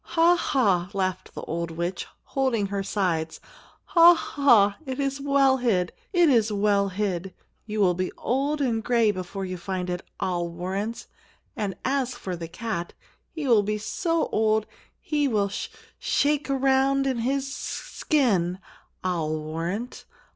"Ha, ha!" laughed the old witch, holding her sides. "Ha, ha! it's well hid. It's well hid. You'll be old and gray before you find it, I'll warrant and as for the cat, he'll be so old he will sh shake around in his s skin, I'll warrant.